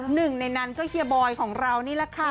หนึ่งในนั้นก็เฮียบอยของเรานี่แหละค่ะ